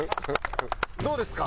どうですか？